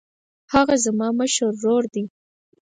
هغه زما مشر ورور دی